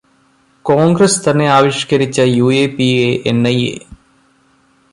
Congress തന്നെയാവിഷ്കരിച്ച യു.ഏ.പി.ഏ.-എന്.ഐ.ഏ.